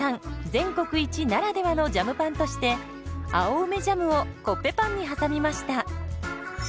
全国一ならではのジャムパンとして青梅ジャムをコッペパンに挟みました。